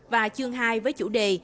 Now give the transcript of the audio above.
và chương hai với chủ đề